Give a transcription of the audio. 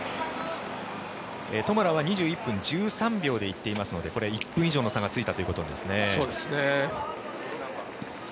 トマラは２１分１３秒で来ているのでこれ、１分以上の差がついたということですね。